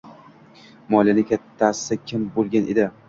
moliyani "kattasi" kim bo‘lgan edi?